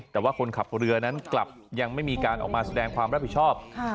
แต่ว่าคนขับเรือนั้นกลับยังไม่มีการออกมาแสดงความรับผิดชอบ